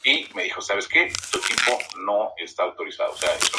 Fueron sus fundadores los hermanos Lorenzo, Joan y Joaquim Gomis Sanahuja.